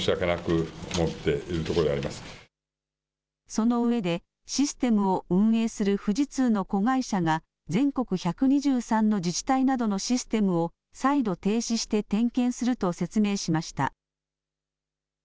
その上で、システムを運営する富士通の子会社が、全国１２３の自治体などのシステムを再度停止して点検すると説明しました。